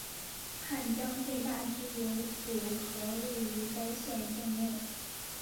汉江最大支流堵河位于该县境内。